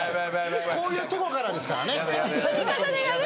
こういうとこからですからね